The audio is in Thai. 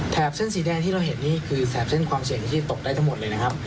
เส้นสีแดงที่เราเห็นนี่คือแถบเส้นความเสี่ยงที่จะตกได้ทั้งหมดเลยนะครับ